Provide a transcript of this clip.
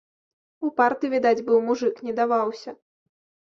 Упарты, відаць, быў мужык, не даваўся.